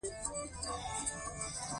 تاریخي مأخذ په حیث استفاده کړې.